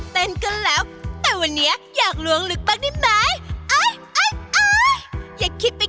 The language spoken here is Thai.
เต้นกันแล้วแต่วันเนี้ยอยากล้วงลึกปั๊กนี่ไหมอย่าคิดไป